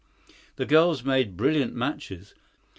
The girls made brilliant matches.